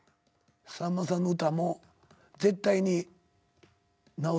「さんまさんの歌も絶対になおせます」